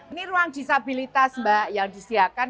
ini ruang disabilitas mbak yang disediakan